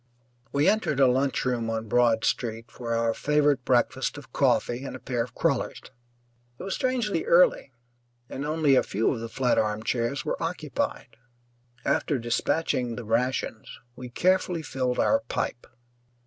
We entered a lunchroom on Broad Street for our favourite breakfast of coffee and a pair of crullers. It was strangely early and only a few of the flat arm chairs were occupied. After dispatching the rations we carefully filled our pipe.